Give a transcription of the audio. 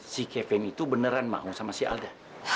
si kevin itu beneran mau sama si alda